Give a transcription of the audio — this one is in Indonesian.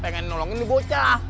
pengen nolongin dibocah